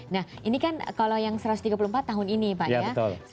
nah ini kan kalau yang satu ratus tiga puluh empat tahun ini pak ya